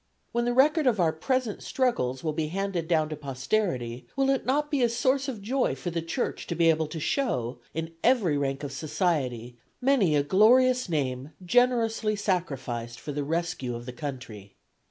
When the record of our present struggles will be handed down to posterity will it not be a source of joy for the Church to be able to show, in every rank of society, many a glorious name generously sacrificed for the rescue of the country?